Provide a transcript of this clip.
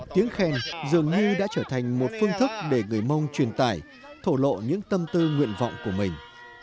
tiếng khen dường như đã trở thành một phương thức để người mông truyền tải thổ lộ những tâm tư nguyện vọng của mình